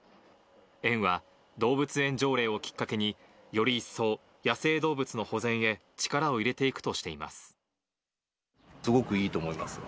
園は、動物園条例をきっかけに、より一層、野生動物の保全へ力を入れてすごくいいと思います。